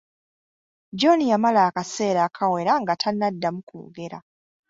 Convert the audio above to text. John yamala akaseera akawera nga tanaddamu kwogera.